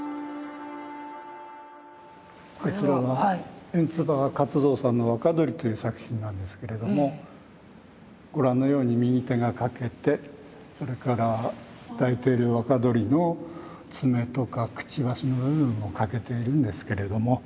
こちらは圓鍔勝三さんの「わかどり」という作品なんですけれどもご覧のように右手が欠けてそれから抱いているわかどりの爪とかくちばしの部分も欠けているんですけれども。